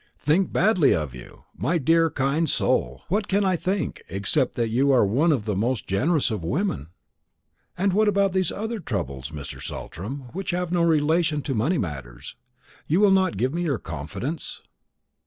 "Think badly of you, my dear kind soul! What can I think, except that you are one of the most generous of women?" "And about these other troubles, Mr. Saltram, which have no relation to money matters; you will not give me your confidence?"